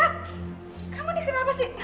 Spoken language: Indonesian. kamu nih kenapa sih